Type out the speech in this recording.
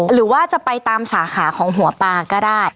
หรือว่าจะไปตามสาขาของหัวปลาก็ได้